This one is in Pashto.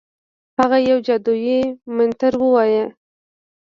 هغه یو جادویي منتر ووایه.